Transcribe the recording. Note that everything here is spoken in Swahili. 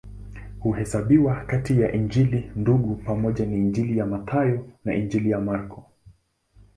Huhesabiwa kati ya Injili Ndugu pamoja na Injili ya Mathayo na Injili ya Marko.